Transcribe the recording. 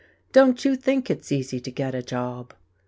Don't you think it's easy to get a job."